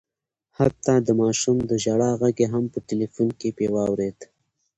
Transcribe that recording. حتی د ماشوم د ژړا غږ یې هم په ټلیفون کي په واورېد